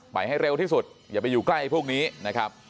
ให้เร็วที่สุดอย่าไปอยู่ใกล้พวกนี้นะครับ